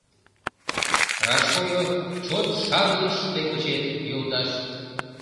Раш койо, чот шарлыш тый гочет, йолташ.